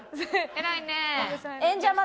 偉いね。